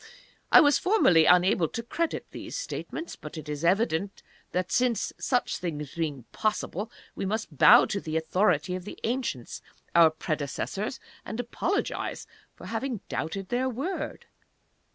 I was formerly unable to credit these statements. But it is evident that, such things being possible, we must bow to the authority of the Ancients, our predecessors, and apologize for having doubted their word."